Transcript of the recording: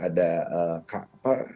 harga earphone misalnya rp seratus